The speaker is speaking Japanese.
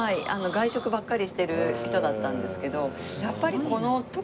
外食ばっかりしてる人だったんですけど。